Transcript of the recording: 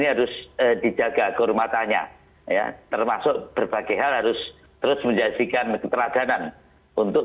harus dijaga kehormatannya ya termasuk berbagai hal harus terus menjadikan keteladanan untuk